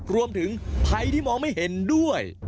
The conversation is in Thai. รวมถึงภัยที่มองไม่เห็นด้วย